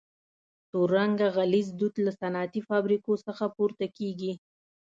تور رنګه غلیظ دود له صنعتي فابریکو څخه پورته کیږي.